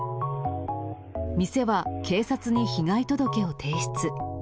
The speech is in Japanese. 店は警察に被害届を提出。